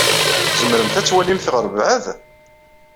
Tzemremt ad twalimt ɣer lbeɛd?